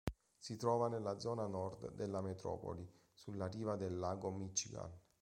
Si trova nella zona nord della metropoli, sulla riva del Lago Michigan.